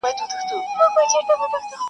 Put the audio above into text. ته راته ږغېږه زه به ټول وجود غوږ غوږ سمه,